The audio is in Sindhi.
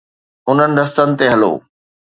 انهن رستن تي هلو.